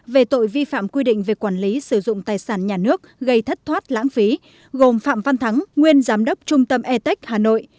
về tội vi phạm quy định về quản lý sử dụng tài sản nhà nước gây thất thoát lãng phí gồm phạm văn thắng nguyên giám đốc trung tâm atec hà nội